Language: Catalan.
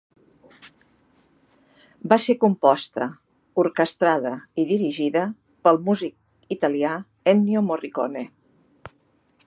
Va ser composta, orquestrada i dirigida pel músic italià Ennio Morricone.